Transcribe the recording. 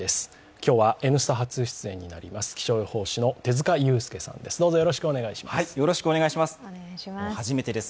今日は「Ｎスタ」初出演になります気象予報士の手塚悠介さんです。